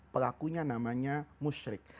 pelakunya namanya musyrik